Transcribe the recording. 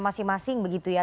masing masing begitu ya